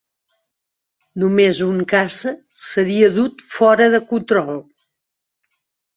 Només un caça seria dut 'fora de control'.